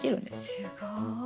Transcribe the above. すごい。